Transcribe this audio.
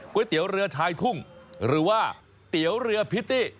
เตี๋ยวเรือชายทุ่งหรือว่าเตี๋ยวเรือพิตตี้